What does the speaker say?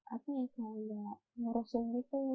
artinya kalau nggak ngerusung gitu